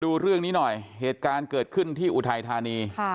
ดูเรื่องนี้หน่อยเหตุการณ์เกิดขึ้นที่อุทัยธานี